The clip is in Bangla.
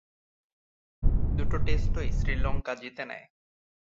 দুটো টেস্টই শ্রীলঙ্কা জিতে নেয়।